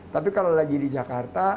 tapi kalau lagi di jakarta